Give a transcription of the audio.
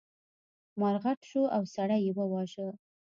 مار غټ شو او سړی یې وواژه.